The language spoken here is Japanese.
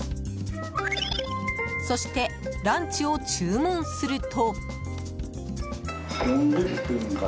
そして、ランチを注文すると。